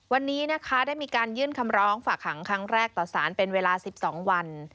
วันนี้นะคะได้มีการยื่นคำร้องฝากหางครั้งแรกต่อสารเป็นเวลา๑๒วัน